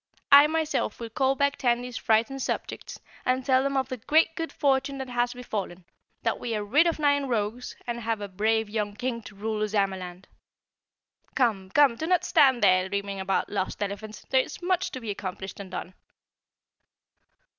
I myself will call back Tandy's frightened subjects and tell them of the great good fortune that has befallen, that we are rid of nine rogues and have a brave young King to rule Ozamaland. Come, come, do not stand here dreaming about lost elephants; there is much to be accomplished and done."